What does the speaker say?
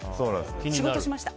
仕事しました。